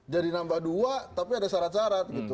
jadi nambah dua tapi ada syarat syarat